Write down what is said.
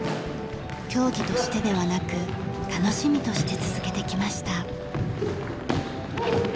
競技としてではなく楽しみとして続けてきました。